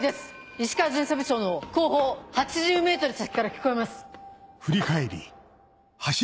石川巡査部長の後方８０ｍ先から聞こえます。